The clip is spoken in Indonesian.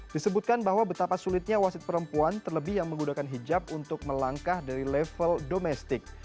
disebutkan bahwa betapa sulitnya wasit perempuan terlebih yang menggunakan hijab untuk melangkah dari level domestik